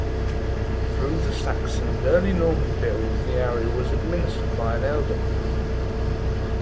Through the Saxon and early Norman periods the area was administered by an elder.